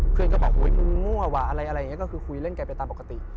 เพื่อนก็บอกโอ้ยมั่วว่าอะไรก็คุยเล่นแกไปตามปกติ